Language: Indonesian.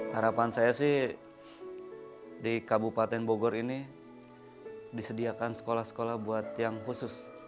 harapan saya sih di kabupaten bogor ini disediakan sekolah sekolah buat yang khusus